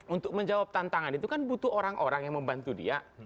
untuk menjawab tantangan itu kan butuh orang orang yang membantu dia